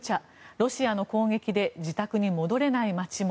ロシアの攻撃で自宅に戻れない街も。